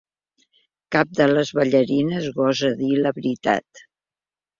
Cap de les ballarines gosa dir la veritat.